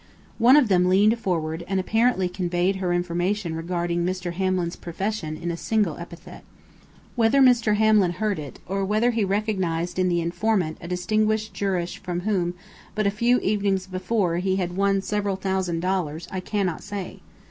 One of them leaned forward, and apparently conveyed to her information regarding Mr. Hamlin's profession in a single epithet. Whether Mr. Hamlin heard it, or whether he recognized in the informant a distinguished jurist from whom, but a few evenings before, he had won several thousand dollars, I cannot say.